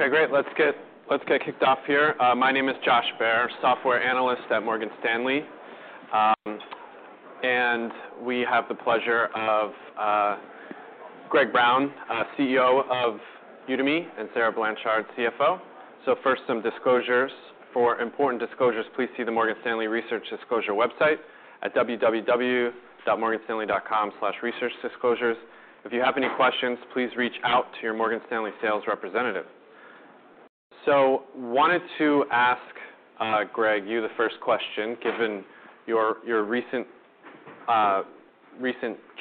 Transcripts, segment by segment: Okay, great. Let's get kicked off here. My name is Josh Baer, software analyst at Morgan Stanley. We have the pleasure of Greg Brown, CEO of Udemy, and Sarah Blanchard, CFO. First, some disclosures. For important disclosures, please see the Morgan Stanley Research Disclosure website at www.morganstanley.com/researchdisclosures. If you have any questions, please reach out to your Morgan Stanley sales representative. Wanted to ask Greg, you the first question, given your recent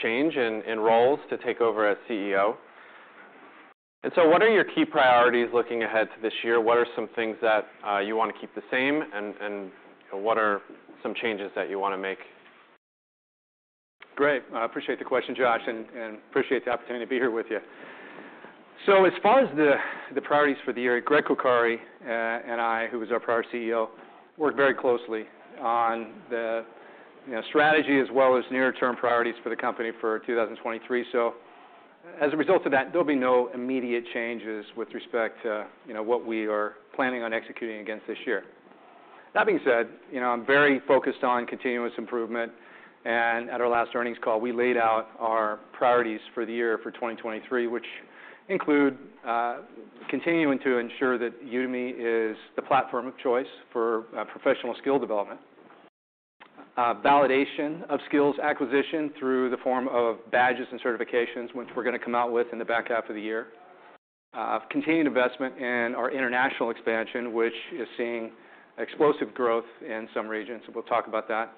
change in roles to take over as CEO. What are your key priorities looking ahead to this year? What are some things that you wanna keep the same and what are some changes that you wanna make? Great. I appreciate the question, Josh, and appreciate the opportunity to be here with you. As far as the priorities for the year, Gregg Coccari and I, who was our prior CEO, worked very closely on the, you know, strategy as well as nearer term priorities for the company for 2023. As a result of that, there'll be no immediate changes with respect to, you know, what we are planning on executing against this year. That being said, you know, I'm very focused on continuous improvement, and at our last earnings call, we laid out our priorities for the year for 2023, which include continuing to ensure that Udemy is the platform of choice for professional skill development. Validation of skills acquisition through the form of badges and certifications, which we're gonna come out with in the back half of the year. Continued investment in our international expansion, which is seeing explosive growth in some regions, and we'll talk about that.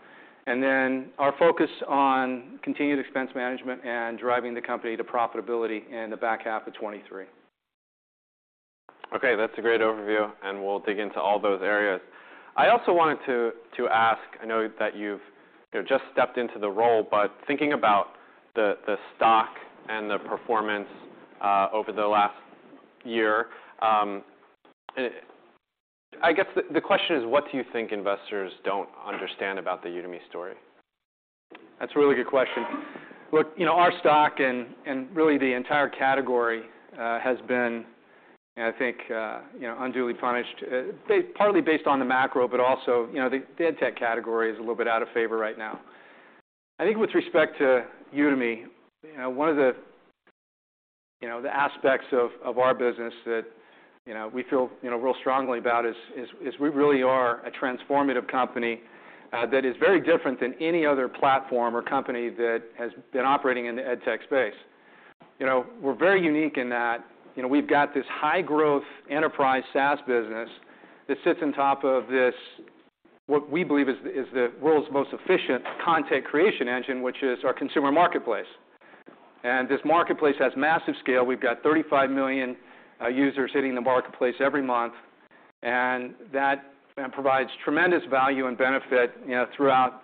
Our focus on continued expense management and driving the company to profitability in the back half of 2023. Okay, that's a great overview, and we'll dig into all those areas. I also wanted to ask, I know that you've, you know, just stepped into the role, but thinking about the stock and the performance over the last year, I guess the question is, what do you think investors don't understand about the Udemy story? That's a really good question. you know, our stock and really the entire category, has been, I think, you know, unduly punished, partly based on the macro, but also, you know, the EdTech category is a little bit out of favor right now. I think with respect to Udemy, you know, one of the, you know, the aspects of our business that, you know, we feel, you know, real strongly about is we really are a transformative company that is very different than any other platform or company that has been operating in the EdTech space. You know, we're very unique in that, you know, we've got this high-growth enterprise SaaS business that sits on top of this, what we believe is the world's most efficient content creation engine, which is our consumer marketplace. This marketplace has massive scale. We've got 35 million users hitting the marketplace every month, and that provides tremendous value and benefit, you know, throughout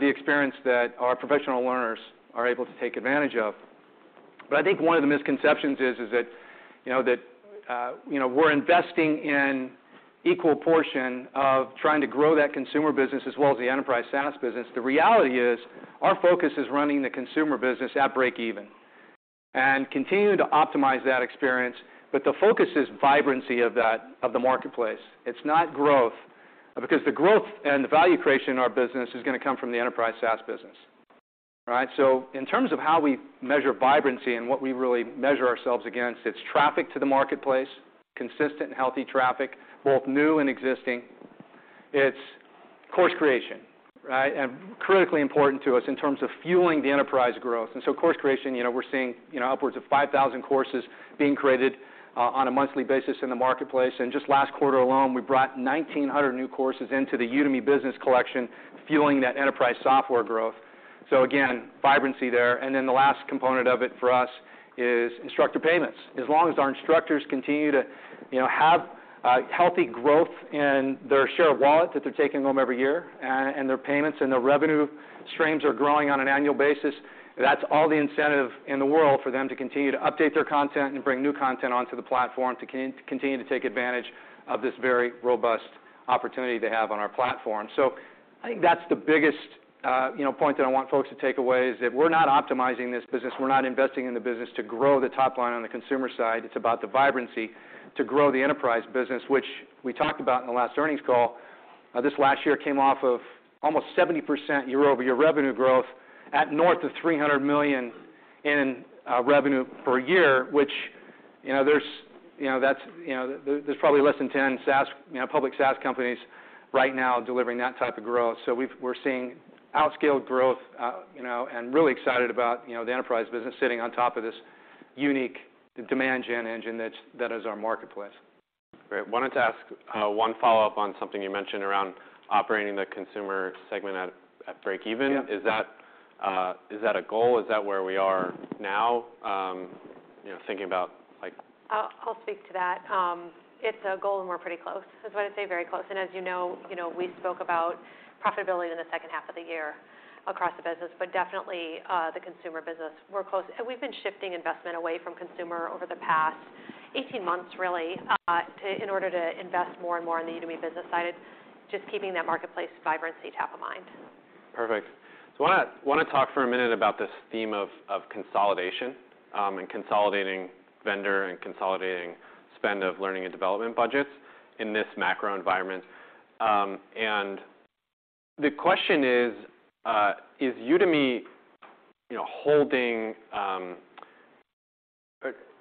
the experience that our professional learners are able to take advantage of. I think one of the misconceptions is that, you know, that, you know, we're investing in equal portion of trying to grow that consumer business as well as the enterprise SaaS business. The reality is, our focus is running the consumer business at breakeven and continuing to optimize that experience, but the focus is vibrancy of the marketplace. It's not growth, because the growth and the value creation in our business is gonna come from the enterprise SaaS business. All right? In terms of how we measure vibrancy and what we really measure ourselves against, it's traffic to the marketplace, consistent and healthy traffic, both new and existing. It's course creation, right? Critically important to us in terms of fueling the enterprise growth. Course creation, you know, we're seeing, you know, upwards of 5,000 courses being created on a monthly basis in the marketplace. Just last quarter alone, we brought 1,900 new courses into the Udemy Business collection, fueling that enterprise software growth. Again, vibrancy there. The last component of it for us is instructor payments. As long as our instructors continue to, you know, have healthy growth in their share of wallet that they're taking home every year, and their payments and their revenue streams are growing on an annual basis, that's all the incentive in the world for them to continue to update their content and bring new content onto the platform to continue to take advantage of this very robust opportunity they have on our platform. I think that's the biggest, you know, point that I want folks to take away is that we're not optimizing this business. We're not investing in the business to grow the top line on the consumer side. It's about the vibrancy to grow the enterprise business, which we talked about in the last earnings call. This last year came off of almost 70% year-over-year revenue growth at north of $300 million in revenue per year, which, you know, there's, you know, that's, you know, there's probably less than 10 SaaS, you know, public SaaS companies right now delivering that type of growth. We're seeing outscaled growth, you know, and really excited about, you know, the enterprise business sitting on top of this unique demand gen engine that is our marketplace. Great. Wanted to ask, one follow-up on something you mentioned around operating the consumer segment at breakeven. Yeah. Is that, is that a goal? Is that where we are now? You know, thinking about, like- I'll speak to that. It's a goal, and we're pretty close. I was gonna say very close. As you know, you know, we spoke about profitability in the second half of the year across the business, but definitely, the consumer business. We're close. We've been shifting investment away from consumer over the past 18 months really, in order to invest more and more in the Udemy Business side. Just keeping that marketplace vibrancy top of mind. Perfect. I wanna talk for a minute about this theme of consolidation and consolidating vendor and consolidating spend of learning and development budgets in this macro environment. The question is Udemy, you know, holding?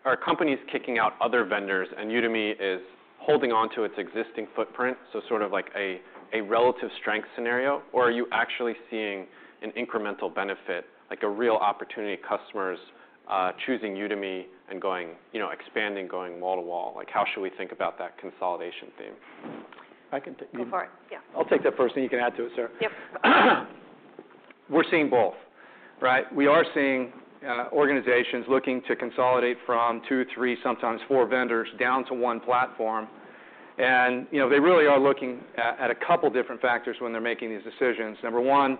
Are companies kicking out other vendors and Udemy is holding onto its existing footprint, so sort of like a relative strength scenario? Or are you actually seeing an incremental benefit, like a real opportunity, customers choosing Udemy and going, you know, expanding, going wall to wall? Like, how should we think about that consolidation theme? I can take- Go for it. Yeah. I'll take that first and you can add to it, Sarah. Yep. We're seeing both, right? We are seeing organizations looking to consolidate from two, three, sometimes four vendors down to one platform. You know, they really are looking at a couple different factors when they're making these decisions. Number 1,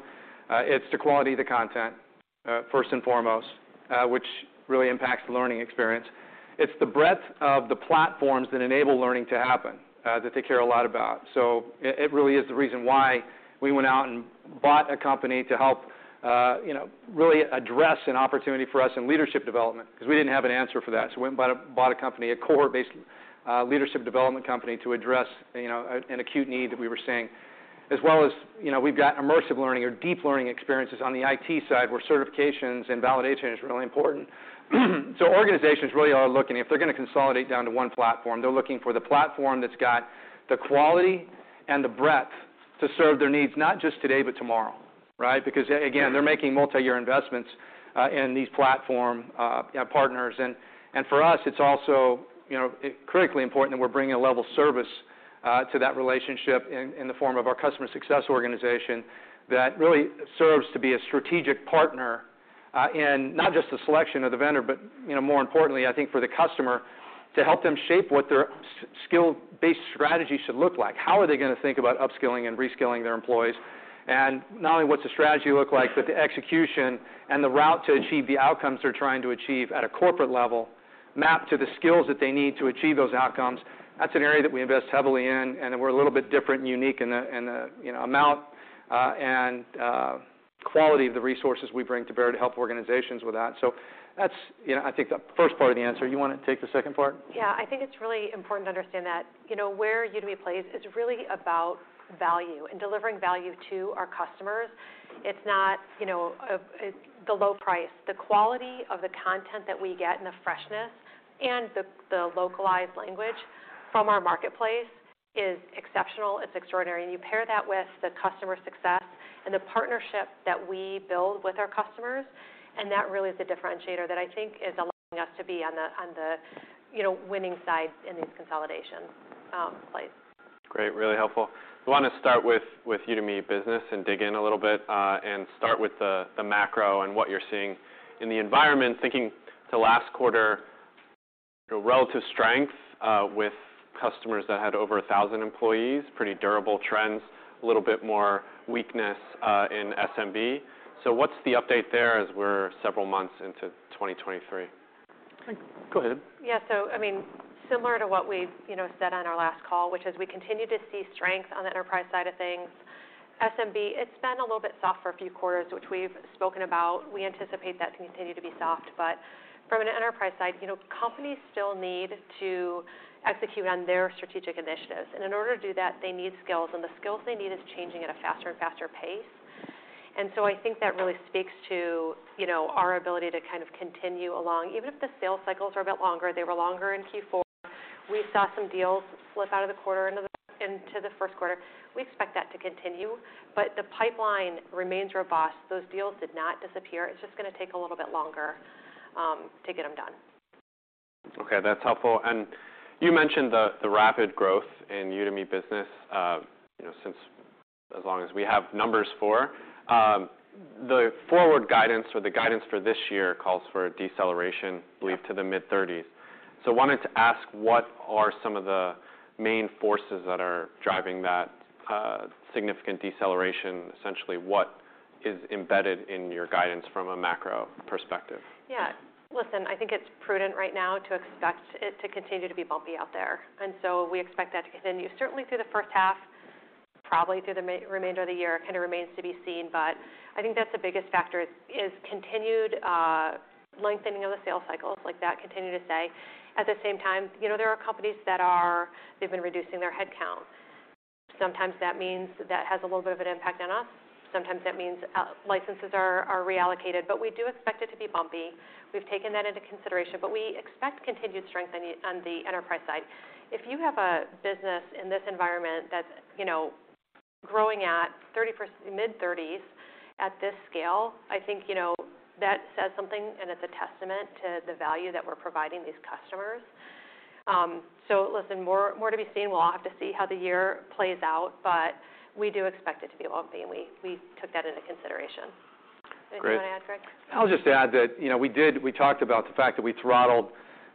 it's the quality of the content, first and foremost, which really impacts the learning experience. It's the breadth of the platforms that enable learning to happen, that they care a lot about. It really is the reason why we went out and bought a company to help, you know, really address an opportunity for us in leadership development 'cause we didn't have an answer for that. We went and bought a company, a cohort-based, leadership development company to address, you know, an acute need that we were seeing. As well as, you know, we've got immersive learning or deep learning experiences on the IT side, where certifications and validation is really important. Organizations really are looking, if they're gonna consolidate down to one platform, they're looking for the platform that's got the quality and the breadth to serve their needs, not just today, but tomorrow, right? Because again, they're making multi-year investments in these platform partners. For us, it's also, you know, critically important that we're bringing a level of service to that relationship in the form of our customer success organization that really serves to be a strategic partner in not just the selection of the vendor, but, you know, more importantly, I think for the customer, to help them shape what their skill-based strategy should look like. How are they gonna think about upskilling and reskilling their employees? Not only what's the strategy look like, but the execution and the route to achieve the outcomes they're trying to achieve at a corporate level, mapped to the skills that they need to achieve those outcomes. That's an area that we invest heavily in, and we're a little bit different and unique in the, in the, you know, amount, quality of the resources we bring to bear to help organizations with that. That's, you know, I think the first part of the answer. You wanna take the second part? Yeah. I think it's really important to understand that, you know, where Udemy plays is really about value and delivering value to our customers. It's not, you know, the low price. The quality of the content that we get and the freshness and the localized language from our marketplace is exceptional, it's extraordinary. You pair that with the customer success and the partnership that we build with our customers, that really is the differentiator that I think is allowing us to be on the, on the, you know, winning side in these consolidation plays. Great. Really helpful. I wanna start with Udemy Business and dig in a little bit, and start with the macro and what you're seeing in the environment. Thinking to last quarter relative strength, with customers that had over 1,000 employees, pretty durable trends, a little bit more weakness, in SMB. What's the update there as we're several months into 2023? Go ahead. I mean, similar to what we've, you know, said on our last call, which is we continue to see strength on the enterprise side of things. SMB, it's been a little bit soft for a few quarters, which we've spoken about. We anticipate that to continue to be soft, but from an enterprise side, you know, companies still need to execute on their strategic initiatives, and in order to do that, they need skills, and the skills they need is changing at a faster and faster pace. I think that really speaks to, you know, our ability to kind of continue along. Even if the sales cycles are a bit longer, they were longer in Q4. We saw some deals slip out of the quarter into the first quarter. We expect that to continue. The pipeline remains robust. Those deals did not disappear. It's just gonna take a little bit longer to get them done. Okay. That's helpful. You mentioned the rapid growth in Udemy Business, you know, since as long as we have numbers for. The forward guidance or the guidance for this year calls for a deceleration, I believe, to the mid-30s. Wanted to ask, what are some of the main forces that are driving that significant deceleration? Essentially, what is embedded in your guidance from a macro perspective? Listen, I think it's prudent right now to expect it to continue to be bumpy out there. We expect that to continue certainly through the first half, probably through the remainder of the year, kind of remains to be seen, but I think that's the biggest factor is continued lengthening of the sales cycles like that continue to say. At the same time, you know, there are companies that are they've been reducing their headcount. Sometimes that means that has a little bit of an impact on us. Sometimes that means licenses are reallocated. We do expect it to be bumpy. We've taken that into consideration, but we expect continued strength on the enterprise side. If you have a business in this environment that's, you know, growing at mid-30s at this scale, I think, you know, that says something, and it's a testament to the value that we're providing these customers. Listen, more to be seen. We'll have to see how the year plays out, but we do expect it to be bumpy, and we took that into consideration. Great. Anything you wanna add, Greg? I'll just add that, you know, we talked about the fact that we throttled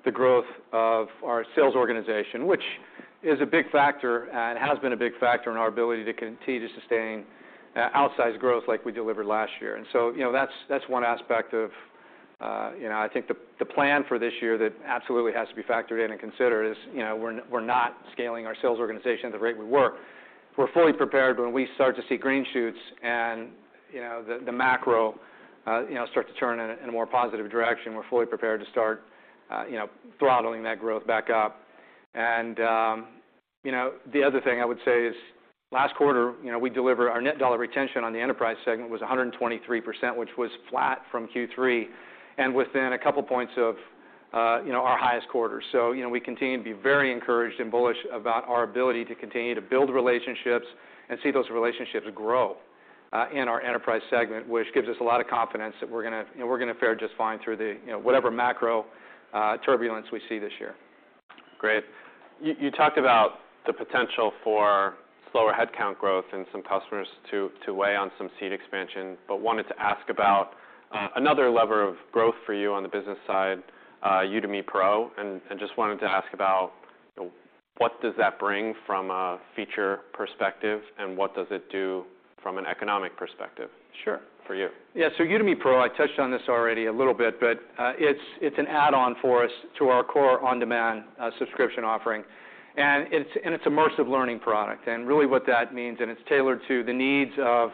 the growth of our sales organization, which is a big factor and has been a big factor in our ability to continue to sustain outsized growth like we delivered last year. You know, that's one aspect of, you know, I think the plan for this year that absolutely has to be factored in and considered is, you know, we're not scaling our sales organization at the rate we were. We're fully prepared when we start to see green shoots and, you know, the macro, you know, start to turn in a, in a more positive direction, we're fully prepared to start, you know, throttling that growth back up. You know, the other thing I would say is last quarter, you know, we delivered our Net Dollar Retention on the enterprise segment was 123%, which was flat from Q3, and within a couple points of, you know, our highest quarter. You know, we continue to be very encouraged and bullish about our ability to continue to build relationships and see those relationships grow in our enterprise segment, which gives us a lot of confidence that we're gonna, you know, we're gonna fare just fine through the, you know, whatever macro turbulence we see this year. Great. You talked about the potential for slower headcount growth and some customers to weigh on some seat expansion, but wanted to ask about another lever of growth for you on the business side, Udemy Pro, and just wanted to ask about what does that bring from a feature perspective, and what does it do from an economic perspective? Sure... for you? Yeah. Udemy Pro, I touched on this already a little bit, but it's an add-on for us to our core on-demand subscription offering. It's an immersive learning product. Really what that means, and it's tailored to the needs of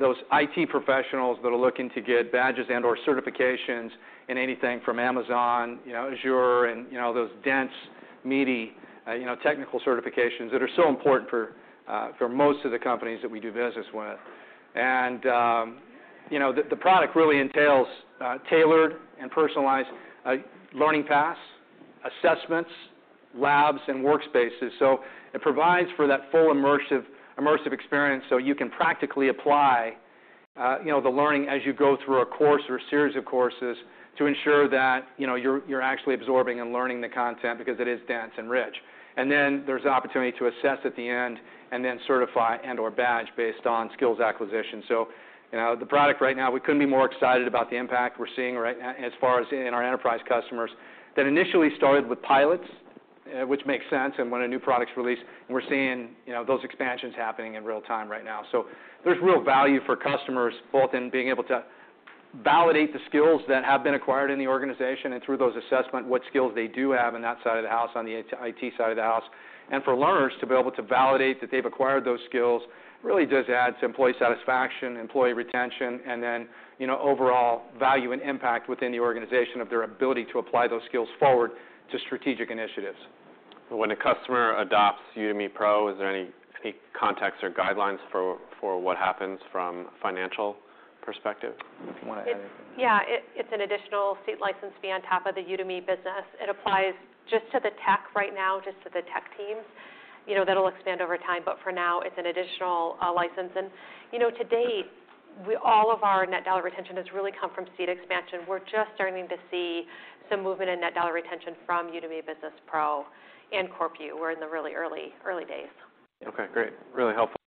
those IT professionals that are looking to get badges and/or certifications in anything from Amazon, you know, Azure, and, you know, those dense, meaty, you know, technical certifications that are so important for most of the companies that we do business with. You know, the product really entails tailored and personalized learning paths, assessments, labs, and workspaces. It provides for that full immersive experience, so you can practically apply, you know, the learning as you go through a course or a series of courses to ensure that, you know, you're actually absorbing and learning the content because it is dense and rich. Then there's opportunity to assess at the end and then certify and/or badge based on skills acquisition. You know, the product right now, we couldn't be more excited about the impact we're seeing as far as in our enterprise customers that initially started with pilots, which makes sense and when a new product's released, and we're seeing, you know, those expansions happening in real time right now. There's real value for customers both in being able to validate the skills that have been acquired in the organization and through those assessment, what skills they do have in that side of the house, on the IT side of the house. For learners to be able to validate that they've acquired those skills really does add to employee satisfaction, employee retention, and then, you know, overall value and impact within the organization of their ability to apply those skills forward to strategic initiatives. When a customer adopts Udemy Pro, is there any context or guidelines for what happens from a financial perspective? If you wanna add anything. Yeah. It's an additional seat license fee on top of the Udemy Business. It applies just to the tech right now, just to the tech teams. You know, that'll expand over time, but for now, it's an additional license. You know, to date, all of our Net Dollar Retention has really come from seat expansion. We're just starting to see some movement in Net Dollar Retention from Udemy Business Pro and CorpU. We're in the really early days. Okay. Great. Really helpful.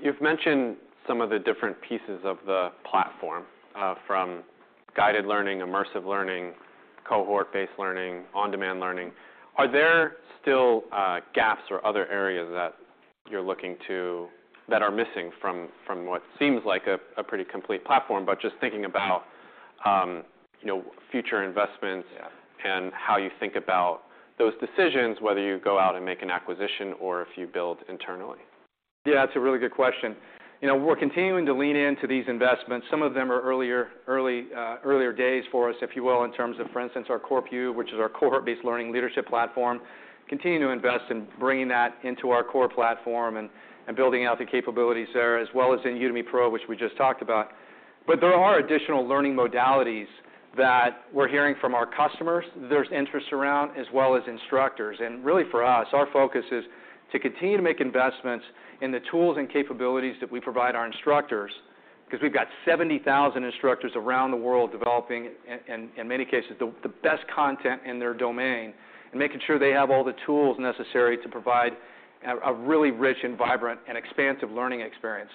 You've mentioned some of the different pieces of the platform, from guided learning, immersive learning, cohort-based learning, on-demand learning. Are there still gaps or other areas that are missing from what seems like a pretty complete platform, but just thinking about, you know, future investments. How you think about those decisions, whether you go out and make an acquisition or if you build internally? Yeah, that's a really good question. You know, we're continuing to lean into these investments. Some of them are earlier days for us, if you will, in terms of, for instance, our CorpU, which is our cohort-based learning leadership platform, continue to invest in bringing that into our core platform and building out the capabilities there, as well as in Udemy Pro, which we just talked about. There are additional learning modalities that we're hearing from our customers there's interest around, as well as instructors. Really, for us, our focus is to continue to make investments in the tools and capabilities that we provide our instructors 'cause we've got 70,000 instructors around the world developing in many cases, the best content in their domain, and making sure they have all the tools necessary to provide a really rich and vibrant and expansive learning experience.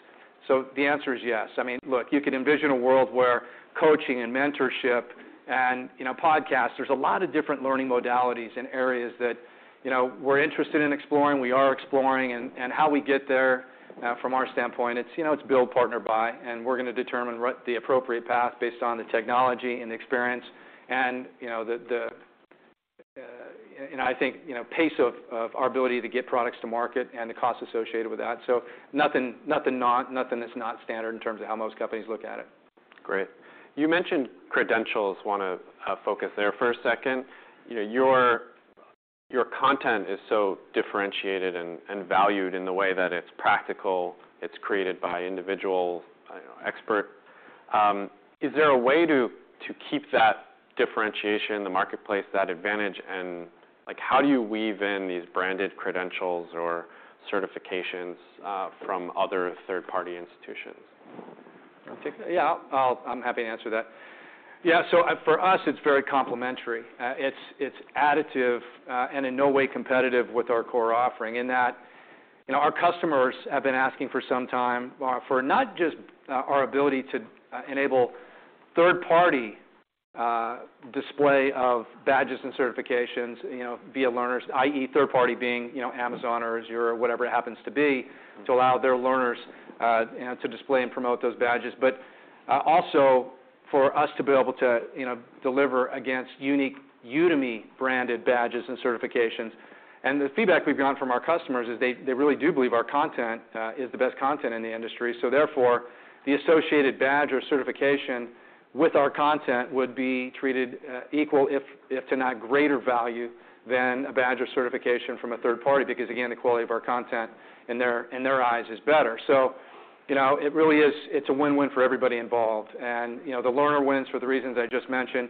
The answer is yes. I mean, look, you could envision a world where coaching and mentorship and, you know, podcasts, there's a lot of different learning modalities and areas that, you know, we're interested in exploring, we are exploring. How we get there from our standpoint, it's, you know, it's build, partner, buy, and we're gonna determine right the appropriate path based on the technology and the experience and, you know, and I think, you know, pace of our ability to get products to market and the cost associated with that. Nothing that's not standard in terms of how most companies look at it. Great. You mentioned credentials. Wanna focus there for a second. You know, your content is so differentiated and valued in the way that it's practical, it's created by individual, I don't know, expert. Is there a way to keep that differentiation in the marketplace, that advantage, and, like, how do you weave in these branded credentials or certifications from other third-party institutions? You want to take that? Yeah, I'm happy to answer that. Yeah. For us, it's very complementary. It's, it's additive, and in no way competitive with our core offering in that, you know, our customers have been asking for some time, for not just our ability to enable third-party display of badges and certifications, you know, via learners, i.e. third party being, you know, Amazon or Azure or whatever it happens to be, to allow their learners, you know, to display and promote those badges. Also for us to be able to, you know, deliver against unique Udemy branded badges and certifications. The feedback we've gotten from our customers is they really do believe our content is the best content in the industry. Therefore, the associated badge or certification with our content would be treated equal if to not greater value than a badge or certification from a third party. Again, the quality of our content in their eyes is better. You know, it's a win-win for everybody involved. You know, the learner wins for the reasons I just mentioned.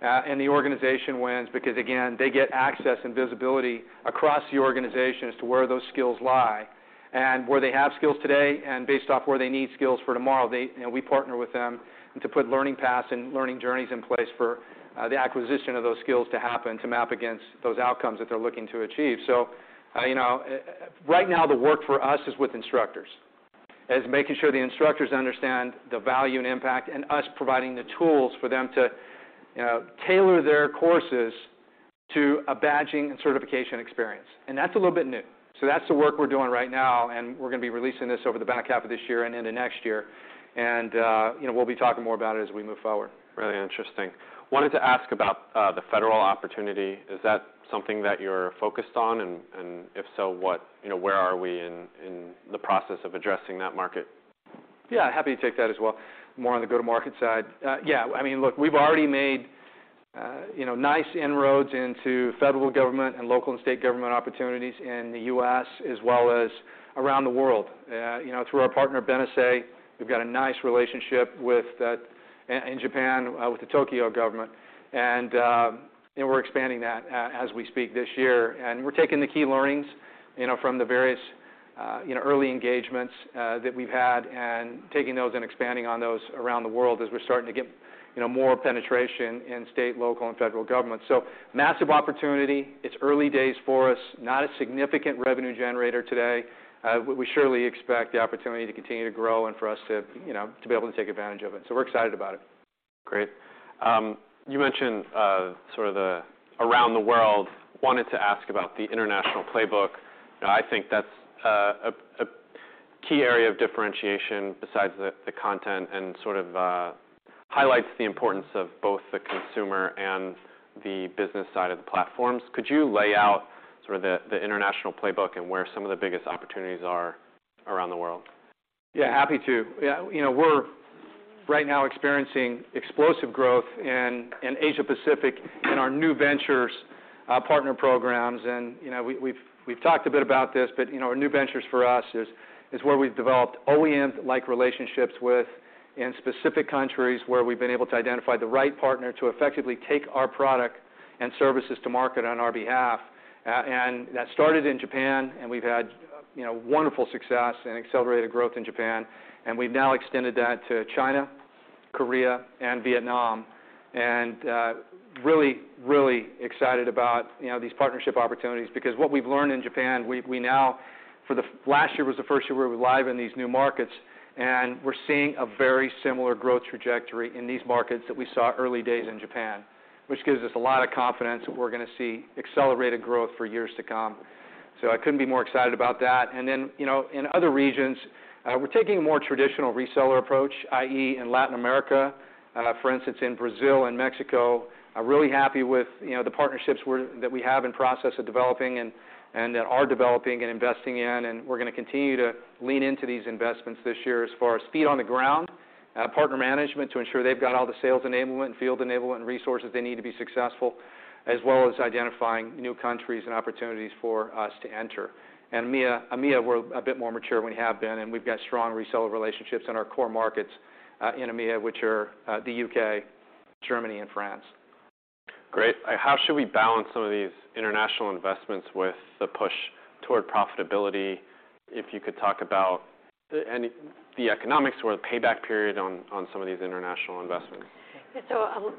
The organization wins because, again, they get access and visibility across the organization as to where those skills lie and where they have skills today and based off where they need skills for tomorrow. You know, we partner with them and to put learning paths and learning journeys in place for the acquisition of those skills to happen, to map against those outcomes that they're looking to achieve. You know, right now the work for us is with instructors, making sure the instructors understand the value and impact, and us providing the tools for them to, you know, tailor their courses to a badging and certification experience. That's a little bit new. That's the work we're doing right now, and we're gonna be releasing this over the back half of this year and into next year. You know, we'll be talking more about it as we move forward. Really interesting. Wanted to ask about the federal opportunity. Is that something that you're focused on? If so, you know, where are we in the process of addressing that market? Yeah, happy to take that as well. More on the go-to-market side. Yeah, I mean, look, we've already made, you know, nice inroads into federal government and local and state government opportunities in the U.S. as well as around the world. You know, through our partner Benesse, we've got a nice relationship with, in Japan, with the Tokyo government. You know, we're expanding that as we speak this year. We're taking the key learnings, you know, from the various, you know, early engagements that we've had and taking those and expanding on those around the world as we're starting to get, you know, more penetration in state, local, and federal government. Massive opportunity. It's early days for us. Not a significant revenue generator today. We surely expect the opportunity to continue to grow and for us to, you know, to be able to take advantage of it. We're excited about it. Great. You mentioned sort of the around the world. Wanted to ask about the international playbook. I think that's a key area of differentiation besides the content and sort of highlights the importance of both the consumer and the business side of the platforms. Could you lay out sort of the international playbook and where some of the biggest opportunities are around the world? Happy to. You know, we're right now experiencing explosive growth in Asia-Pacific in our new ventures partner programs. You know, we've talked a bit about this, but you know, our new ventures for us is where we've developed OEM-like relationships with in specific countries where we've been able to identify the right partner to effectively take our product and services to market on our behalf. That started in Japan, and we've had, you know, wonderful success and accelerated growth in Japan, and we've now extended that to China, Korea, and Vietnam. Really excited about, you know, these partnership opportunities because what we've learned in Japan, Last year was the first year we were live in these new markets, and we're seeing a very similar growth trajectory in these markets that we saw early days in Japan, which gives us a lot of confidence that we're gonna see accelerated growth for years to come. I couldn't be more excited about that. You know, in other regions, we're taking a more traditional reseller approach, i.e. in Latin America. For instance, in Brazil and Mexico, I'm really happy with, you know, the partnerships that we have in process of developing and that are developing and investing in, and we're gonna continue to lean into these investments this year as far as feet on the ground, partner management to ensure they've got all the sales enablement and field enablement and resources they need to be successful, as well as identifying new countries and opportunities for us to enter. EMEA we're a bit more mature than we have been, and we've got strong reseller relationships in our core markets in EMEA, which are the U.K., Germany, and France. Great. How should we balance some of these international investments with the push toward profitability? If you could talk about the economics or the payback period on some of these international investments.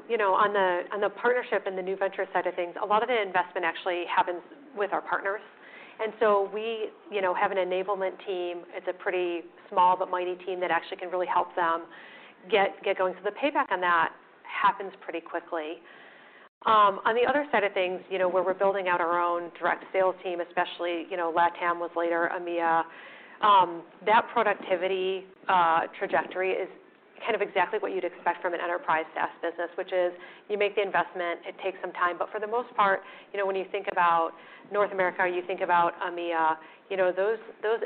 You know, on the, on the partnership and the new venture side of things, a lot of the investment actually happens with our partners. We, you know, have an enablement team. It's a pretty small but mighty team that actually can really help them get going. The payback on that happens pretty quickly. On the other side of things, you know, where we're building out our own direct sales team, especially, you know, LATAM was later, EMEA, that productivity trajectory is kind of exactly what you'd expect from an enterprise SaaS business, which is you make the investment, it takes some time. For the most part, you know, when you think about North America or you think about EMEA, you know, those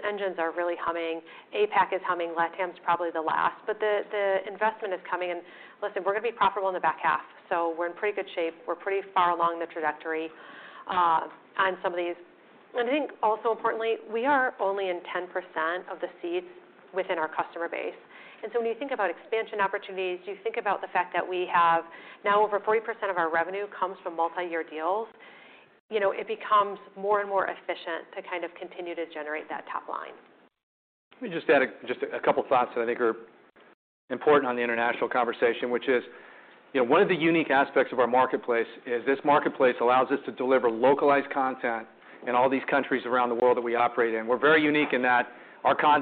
engines are really humming. APAC is humming. LATAM's probably the last. The, the investment is coming and listen, we're gonna be profitable in the back half, so we're in pretty good shape. We're pretty far along the trajectory on some of these. I think also importantly, we are only in 10% of the seats within our customer base. When you think about expansion opportunities, you think about the fact that we have now over 40% of our revenue comes from multi-year deals, you know, it becomes more and more efficient to kind of continue to generate that top line. Let me just add a couple thoughts that I think are important on the international conversation, which is, you know, one of the unique aspects of our marketplace is this marketplace allows us to deliver localized content in all these countries around the world that we operate in. We're very unique in that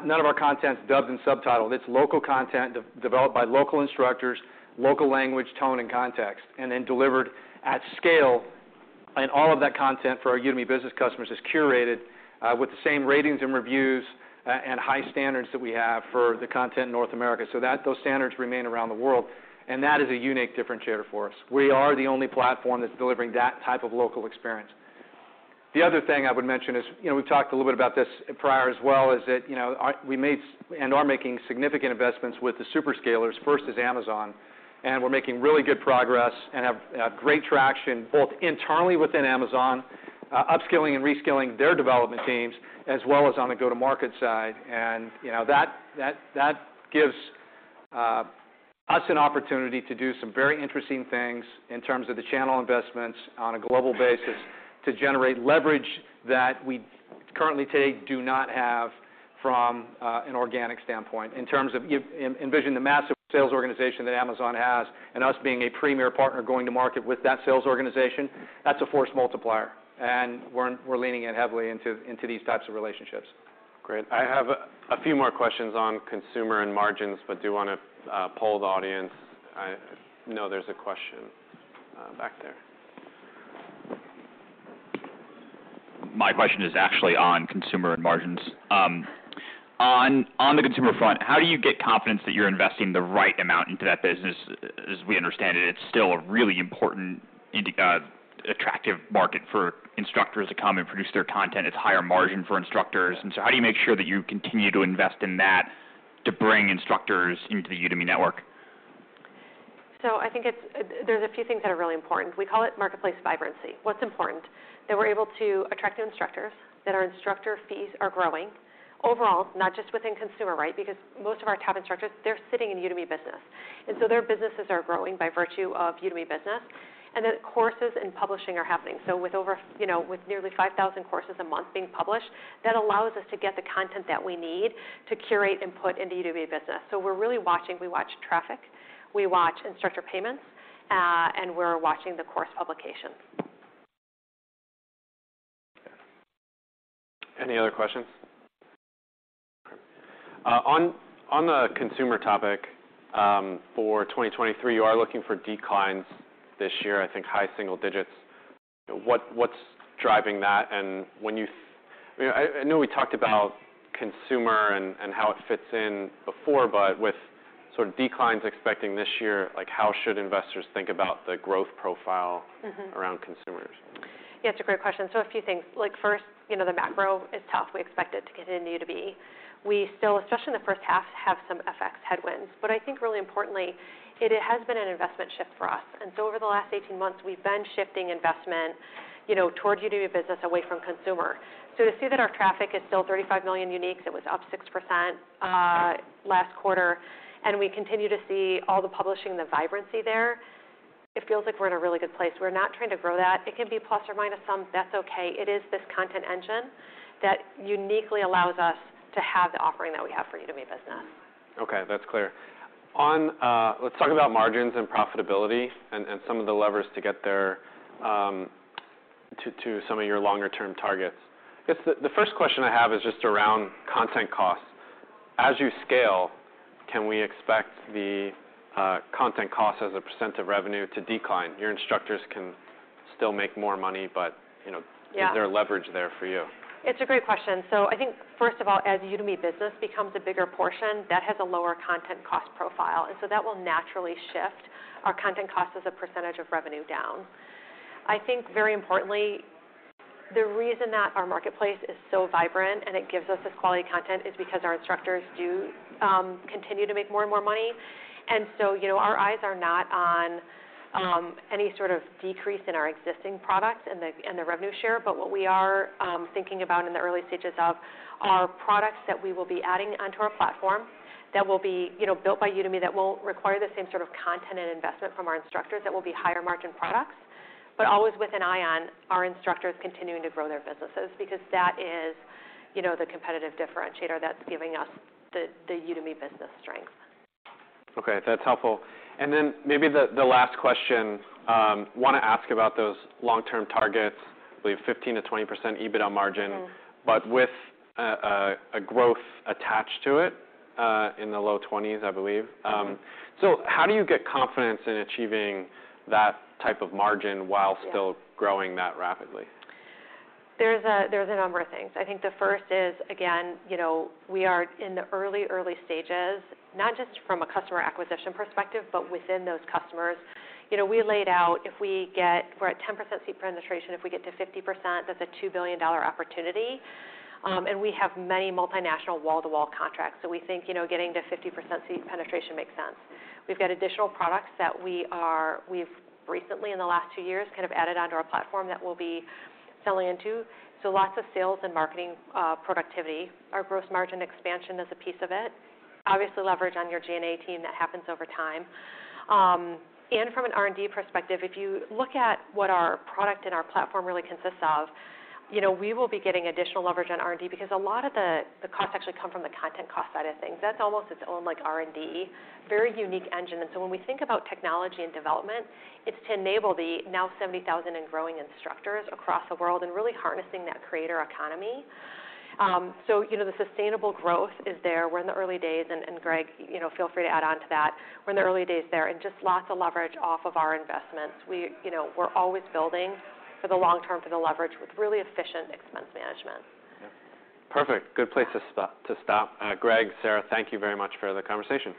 none of our content's dubbed and subtitled. It's local content developed by local instructors, local language, tone, and context, and then delivered at scale. All of that content for our Udemy Business customers is curated with the same ratings and reviews and high standards that we have for the content in North America, so those standards remain around the world. That is a unique differentiator for us. We are the only platform that's delivering that type of local experience. The other thing I would mention is, you know, we've talked a little bit about this prior as well, is that, you know, we made and are making significant investments with the SuperScalers. First is Amazon. We're making really good progress and have great traction both internally within Amazon, upskilling and reskilling their development teams, as well as on the go-to-market side. You know, that gives us an opportunity to do some very interesting things in terms of the channel investments on a global basis to generate leverage that we currently take do not have from an organic standpoint. In terms of envision the massive sales organization that Amazon has and us being a premier partner going to market with that sales organization, that's a force multiplier. We're leaning in heavily into these types of relationships. Great. I have a few more questions on consumer and margins, but do wanna poll the audience. I know there's a question back there. My question is actually on consumer and margins. On the consumer front, how do you get confidence that you're investing the right amount into that business? As we understand it's still a really important and attractive market for instructors to come and produce their content. It's higher margin for instructors. How do you make sure that you continue to invest in that to bring instructors into the Udemy network? I think there's a few things that are really important. We call it marketplace vibrancy. What's important? That we're able to attract new instructors, that our instructor fees are growing overall, not just within consumer, right? Most of our top instructors, they're sitting in Udemy Business, their businesses are growing by virtue of Udemy Business. Courses and publishing are happening. With over, you know, with nearly 5,000 courses a month being published, that allows us to get the content that we need to curate input into Udemy Business. We're really watching. We watch traffic, we watch instructor payments, and we're watching the course publications. Any other questions? On the consumer topic, for 2023, you are looking for declines this year, I think high single digits. What's driving that? I know we talked about consumer and how it fits in before, with sort of declines expecting this year, like, how should investors think about the growth profile around consumers? Yeah, it's a great question. A few things. Like first, you know, the macro is tough. We expect it to continue to be. We still, especially in the first half, have some FX headwinds. I think really importantly, it has been an investment shift for us. Over the last 18 months, we've been shifting investment, you know, towards Udemy Business away from consumer. To see that our traffic is still 35 million uniques, it was up 6% last quarter, and we continue to see all the publishing and the vibrancy there, it feels like we're in a really good place. We're not trying to grow that. It can be plus or minus some. That's okay. It is this content engine that uniquely allows us to have the offering that we have for Udemy Business. Okay, that's clear. On, let's talk about margins and profitability and some of the levers to get there, to some of your longer-term targets. Guess the first question I have is just around content costs. As you scale, can we expect the, content cost as a % of revenue to decline? Your instructors can still make more money, but, you know, is there a leverage there for you? It's a great question. I think, first of all, as Udemy Business becomes a bigger portion, that has a lower content cost profile, that will naturally shift our content cost as a percentage of revenue down. I think very importantly, the reason that our marketplace is so vibrant and it gives us this quality content is because our instructors do continue to make more and more money. You know, our eyes are not on any sort of decrease in our existing products and the revenue share, but what we are thinking about in the early stages of are products that we will be adding onto our platform that will be, you know, built by Udemy that won't require the same sort of content and investment from our instructors, that will be higher margin products, but always with an eye on our instructors continuing to grow their businesses, because that is, you know, the competitive differentiator that's giving us the Udemy Business strength. Okay, that's helpful. Maybe the last question, wanna ask about those long-term targets, I believe 15%-20% EBITDA margin with a growth attached to it, in the low 20s%, I believe. How do you get confidence in achieving that type of margin while still growing that rapidly? There's a number of things. I think the first is, again, you know, we are in the early stages, not just from a customer acquisition perspective, but within those customers. You know, we laid out if we're at 10% seat penetration. If we get to 50%, that's a $2 billion opportunity. And we have many multinational wall-to-wall contracts. We think, you know, getting to 50% seat penetration makes sense. We've got additional products that we've recently, in the last two years, kind of added onto our platform that we'll be selling into. Lots of sales and marketing productivity. Our gross margin expansion is a piece of it. Obviously, leverage on your G&A team, that happens over time. From an R&D perspective, if you look at what our product and our platform really consists of, you know, we will be getting additional leverage on R&D because a lot of the costs actually come from the content cost side of things. That's almost its own, like, R&D. Very unique engine. When we think about technology and development, it's to enable the now 70,000 and growing instructors across the world and really harnessing that creator economy. You know, the sustainable growth is there. We're in the early days. Greg, you know, feel free to add on to that. We're in the early days there, just lots of leverage off of our investments. We, you know, we're always building for the long term, for the leverage with really efficient expense management. Yeah. Perfect. Good place to stop. Greg, Sarah, thank you very much for the conversation.